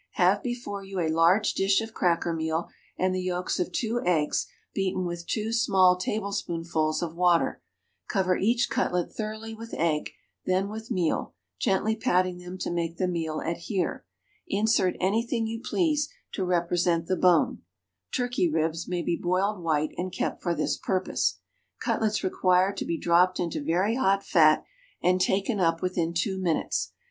Have before you a large dish of cracker meal and the yolks of two eggs beaten with two small tablespoonfuls of water, cover each cutlet thoroughly with egg, then with meal, gently patting them to make the meal adhere; insert anything you please to represent the bone (turkey ribs may be boiled white and kept for this purpose). Cutlets require to be dropped into very hot fat, and taken up within two minutes.